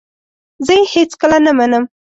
زه یې هیڅکله نه منم !